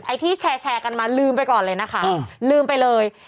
ที่แชร์กันมาลืมไปก่อนเลยนะคะลืมไปเลย